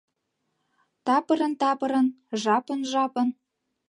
Тапырын-тапырын — жапын-жапын.